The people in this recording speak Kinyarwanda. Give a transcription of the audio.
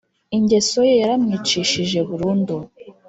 ingeso ye yaramwicishije burundu